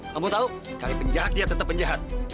kamu tau sekali penjahat dia tetep penjahat